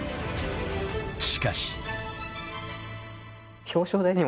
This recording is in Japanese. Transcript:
［しかし］